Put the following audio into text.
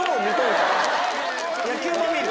野球も見る？